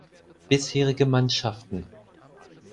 Bisherige Mannschaften